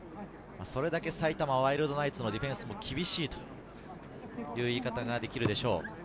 それだけ埼玉ワイルドナイツのディフェンスが厳しいという言い方ができるでしょう。